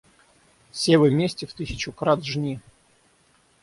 Севы мести в тысячу крат жни!